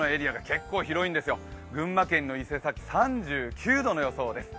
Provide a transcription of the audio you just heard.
結構広いんですよ、群馬県の伊勢崎３９度の予想です。